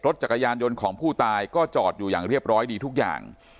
จักรยานยนต์ของผู้ตายก็จอดอยู่อย่างเรียบร้อยดีทุกอย่าง